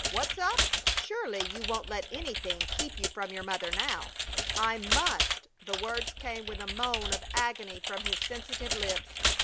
What's up? Surely you won't let anything keep you from your mother now." "I must!" The words came with a moan of agony from the sensitive lips.